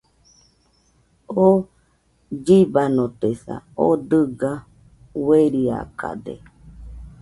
oo llibanotesa, oo dɨga ueriakade